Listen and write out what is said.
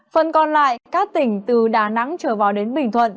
phần còn lại các tỉnh từ đà nẵng trở vào đến bình thuận